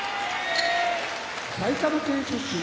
埼玉県出身